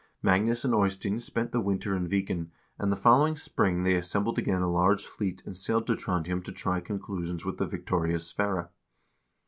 Magnus and Eystein spent the winter in Viken, and the following spring they assembled again a large fleet and sailed to Trondhjem to try conclusions with the victorious Sverre.